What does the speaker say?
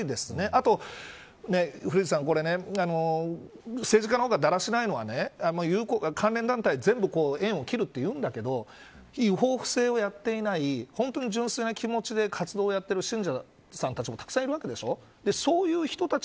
あと古市さんこれ政治家の方がだらしないのは関連団体全部、縁を切るというんだけど違法、不正をやっていない本当に純粋な気持ちで活動をやっている信者さんたちもたくさんいるわけでしょう。